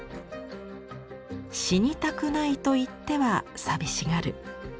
「死にたくないといっては寂しがる。